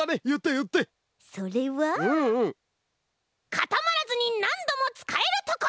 かたまらずになんどもつかえるところ！